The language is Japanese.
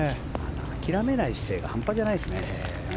諦めない姿勢が半端じゃないですね。